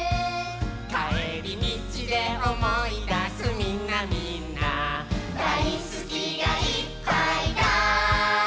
「かえりみちでおもいだすみんなみんな」「だいすきがいっぱいだ」